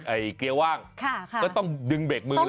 เกียร์ว่างก็ต้องดึงเบรกมือเลย